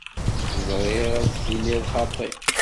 Ẓriɣ ad d-tiniḍ xaṭi.